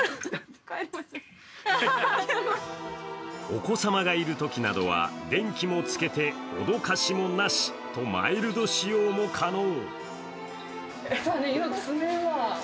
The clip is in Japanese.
お子様がいるときなどは電気もつけて、脅かしもなしとマイルド仕様も可能。